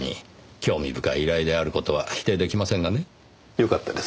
よかったです。